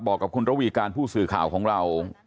บอกกับคุณระวีการผู้สื่อข่าวของเรา